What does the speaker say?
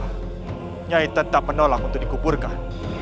nyai tetap menolak untuk dikuburkan